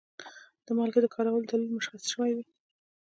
د مالګې د کارولو دلیل مشخص شوی وي.